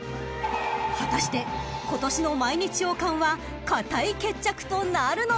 ［果たして今年の毎日王冠は堅い決着となるのか？］